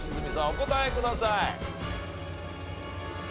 お答えください。